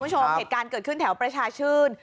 คุณผู้ชมเหตุการณ์เกิดขึ้นแถวประชาชื่น